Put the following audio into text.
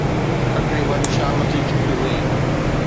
تقريباً شام ٿي چڪي هئي.